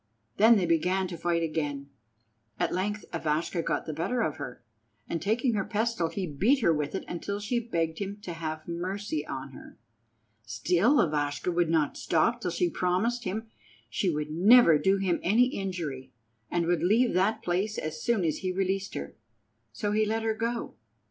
Then they began to fight again. At length Ivashka got the better of her, and taking her pestle he beat her with it till she begged him to have mercy on her. Still Ivashka would not stop till she promised him she would never do him any injury, and would leave that place as soon as he released her. So he let her go.